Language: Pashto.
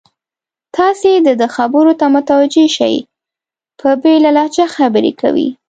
تاسې د ده خبرو ته متوجه شئ، په بېله لهجه خبرې کوي.